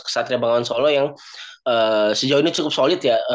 ke satria bangawan solo yang sejauh ini cukup solid ya